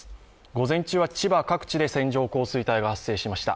午前中は千葉各地で線状降水帯が発生しました。